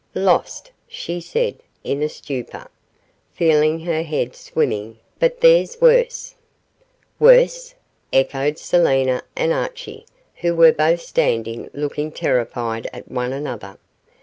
'Lost!' she said, in a stupor, feeling her head swimming, 'but there's worse.' 'Worse?' echoed Selina and Archie, who were both standing looking terrified at one another.